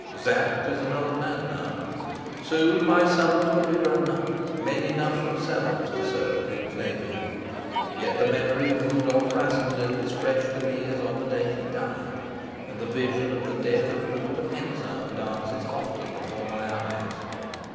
Sapt is an old man now; soon my sons will be grown up, men enough themselves to serve Queen Flavia. Yet the memory of Rudolf Rassendyll is fresh to me as on the day he died, and the vision of the death of Rupert of Hentzau dances often before my eyes.